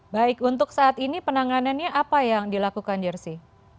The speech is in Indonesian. baik untuk saat ini penanganannya apa yang dilakukan jersey